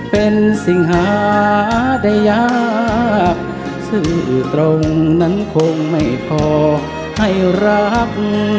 เป็นสิ่งหาได้ยากซึ่งตรงนั้นคงไม่พอให้รัก